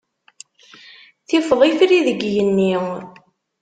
Tifeḍ itri deg yigenni.